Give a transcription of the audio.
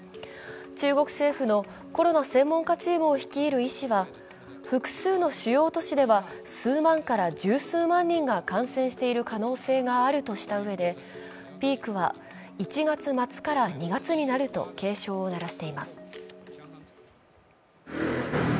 中国政府のコロナ専門家チームを率いる医師は複数の主要都市では数万から十数万人が感染している可能性があるとしたうえで、ピークは１月末から２月になると警鐘を鳴らしています。